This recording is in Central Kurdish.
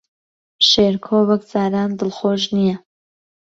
شێرکۆ وەک جاران دڵخۆش نییە.